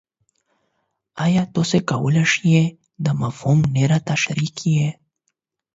ایا تاسو کولی شئ دا مفهوم نور تشریح کړئ؟